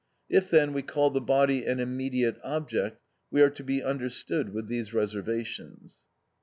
If, then, we call the body an immediate object, we are to be understood with these reservations.